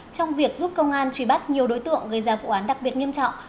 trong việc giúp công an truy bắt nhiều đối tượng gây ra vụ án đặc biệt nghiêm trọng